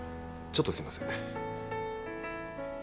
ちょっとすいません。